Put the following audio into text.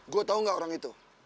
gue tau gak orang itu